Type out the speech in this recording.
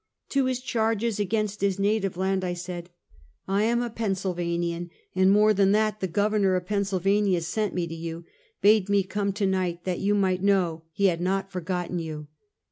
To his charges against his native land, I said: "I am a Pennsylva nian; and more than that, the Governor of Pennsyl vania sent me to you; bade me come to night, that you might know he had not forgotten you."